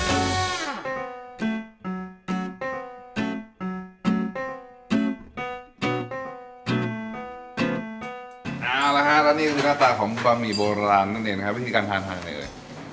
เอาละฮะแล้วนี่ก็คือหน้าตาของบะหมี่โบราณนั่นเองนะครับวิธีการทานทานยังไงเอ่ย